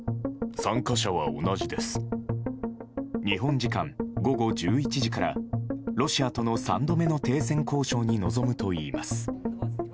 日本時間、午後１１時からロシアとの３度目の停戦交渉に臨むといいます。